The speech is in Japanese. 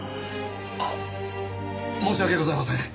あっ申し訳ございません。